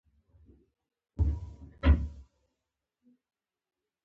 زدهکړه د ژوند رڼا ده